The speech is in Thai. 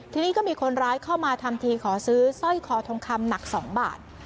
ทีนี้ก็มีคนร้ายเข้ามาทำทีขอซื้อสร้อยคอทองคำหนัก๒บาท